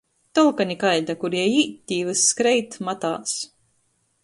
Tolka nikaida. Kur jei īt, tī vyss kreit, matās.